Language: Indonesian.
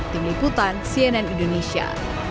tim ikutan cnn indonesia